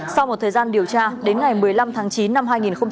sau một thời gian điều tra đến ngày một mươi năm tháng chín năm hai nghìn hai mươi